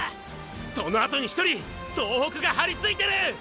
そのあとに１人総北がはりついてる！！